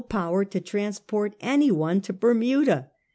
69 power to transport anyone to Bermuda.